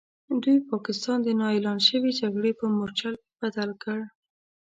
دوی پاکستان د نا اعلان شوې جګړې په مورچل بدل کړ.